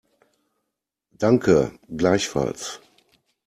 Danke, gleichfalls.